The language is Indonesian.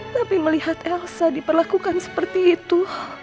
tapi melihat elsa diperlakukan seperti itu